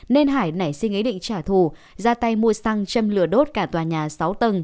nên hải nảy sinh ý định trả thù ra tay mua xăng châm lửa đốt cả tòa nhà sáu tầng